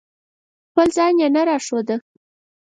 خپل ځای یې نه راښوده.